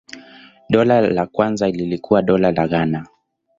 Dola la kwanza lilikuwa Dola la Ghana.